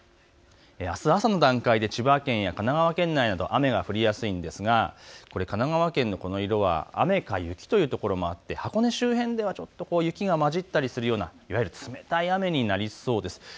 あす朝の段階で千葉県や神奈川県内など雨が降りやすいですが神奈川県のこの色は雨か雪というところもあって箱根周辺では雪がちょっと交ざったりするような冷たい雨になりそうです。